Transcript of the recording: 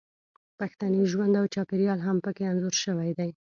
پښتني ژوند او چاپیریال هم پکې انځور شوی دی